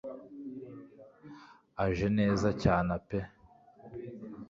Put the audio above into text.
Aje Neza cyana pe